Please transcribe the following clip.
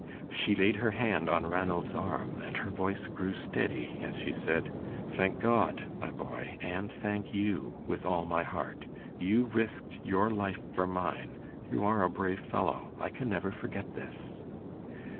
She laid her hand on Ranald's arm, and her voice grew steady as she said: "Thank God, my boy, and thank you with all my heart. You risked your life for mine. You are a brave fellow! I can never forget this!"